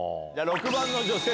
６番の女性